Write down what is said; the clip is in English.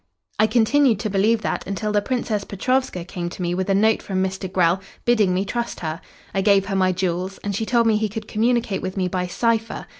"I continued to believe that until the Princess Petrovska came to me with a note from Mr. Grell bidding me trust her. I gave her my jewels, and she told me he could communicate with me by cipher.